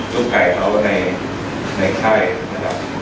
ลูกไก่เขาในค่ายนะครับ